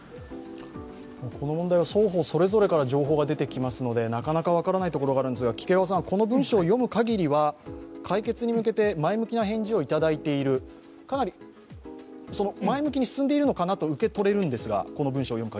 この問題は双方それぞれから情報が出てきますのでなかなか分からないところがあるんですが、この文章を読むかぎりは解決に向けて前向きな返事をいただいている、前向きに進んでいるのかなと受け取れるんですが。